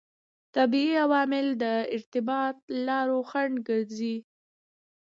طبیعي عوامل د ارتباط لارو خنډ ګرځي.